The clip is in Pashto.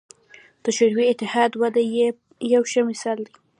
د شوروي اتحاد وده یې یو ښه مثال دی.